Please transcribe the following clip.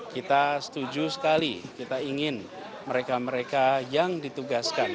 kita setuju sekali kita ingin mereka mereka yang ditugaskan